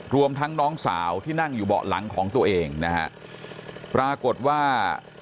รวมทั้งน้องสาวที่นั่งอยู่เบาะหลังของตัวเองนะฮะปรากฏว่า